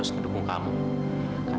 sekarang kamu lihat